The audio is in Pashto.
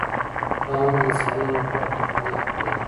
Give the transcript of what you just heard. پړانګ د انسانانو لپاره خطرناک دی.